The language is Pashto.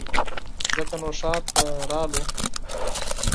ځکه نو ښار ته راغلو